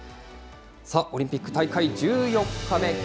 オリンピック大会１４日目。